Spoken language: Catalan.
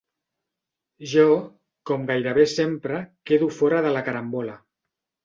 Jo, com gairebé sempre, quedo fora de la carambola.